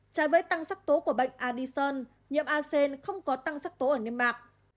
trải với tăng sắc tố của bệnh addison nhầm a sen không có tăng sắc tố ở nêm mạc